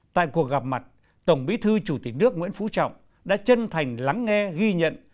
tại cuộc gặp mặt tổng bí thư chủ tịch nước nguyễn phú trọng đã chân thành lắng nghe ghi nhận